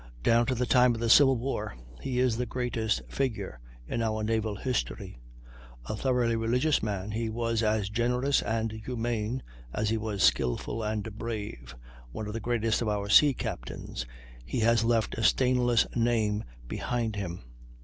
Down to the time of the Civil War he is the greatest figure in our naval history. A thoroughly religious man, he was as generous and humane as he was skilful and brave; one of the greatest of our sea captains, he has left a stainless name behind him.